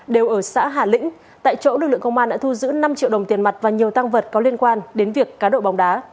đều ở xã hà lĩnh tại chỗ lực lượng công an đã thu giữ năm triệu đồng tiền mặt và nhiều tăng vật có liên quan đến việc cá độ bóng đá